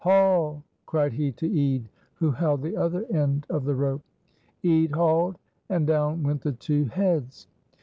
"Haul!" cried he to Ede, who held the other end of the rope. Ede hauled, and down went the two heads.